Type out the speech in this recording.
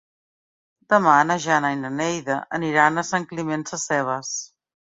Demà na Jana i na Neida aniran a Sant Climent Sescebes.